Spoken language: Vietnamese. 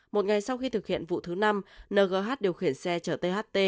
một ngày sau khi thực hiện vụ thứ năm ngh điều khiển xe chở tht